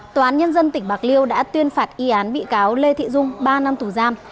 tòa án nhân dân tỉnh bạc liêu đã tuyên phạt y án bị cáo lê thị dung ba năm tù giam